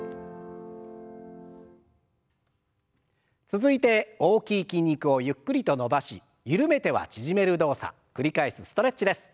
続いて大きい筋肉をゆっくりと伸ばし緩めては縮める動作繰り返すストレッチです。